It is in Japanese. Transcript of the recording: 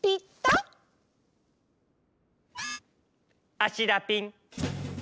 あしだピン。